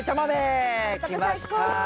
きました。